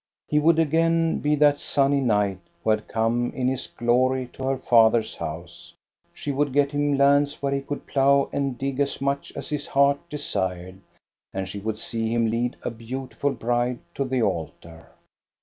He would again be that sunny knight who had come in his glory to her father's house. She would get him lands where he could plough and dig as much as his heart desired, and she would see him lead a beautiful bride to the altar.